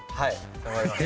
頑張ります。